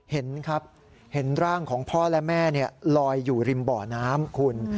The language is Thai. เห็นครับเห็นร่างของพ่อและแม่ลอยอยู่ริมบ่อน้ำคุณ